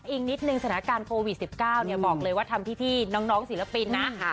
อีกนิดนึงสถานการณ์โควิด๑๙บอกเลยว่าทำพี่น้องศิลปินนะ